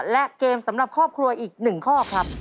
และเกมสำหรับครอบครัวอีก๑ข้อครับ